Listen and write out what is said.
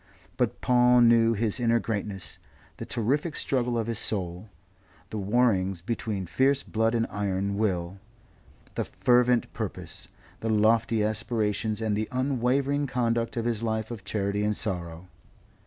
But Paul knew his inner greatness, the terrific struggle of his soul, the warrings between fierce blood and iron will, the fervent purpose, the lofty aspirations and the unwavering conduct of his life of charity and sorrow.